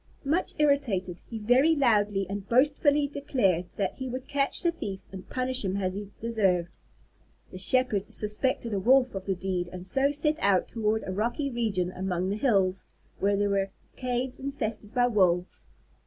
Much irritated, he very loudly and boastfully declared that he would catch the thief and punish him as he deserved. The Shepherd suspected a Wolf of the deed and so set out toward a rocky region among the hills, where there were caves infested by Wolves.